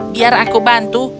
biar aku bantu